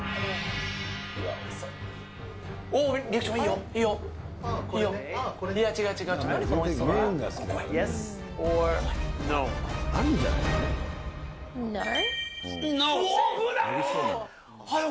リアクションいいよ、いいよ。